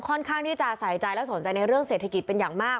ค่อนข้างที่จะใส่ใจและสนใจในเรื่องเศรษฐกิจเป็นอย่างมาก